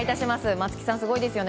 松木さん、すごいですよね。